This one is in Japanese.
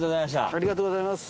ありがとうございます。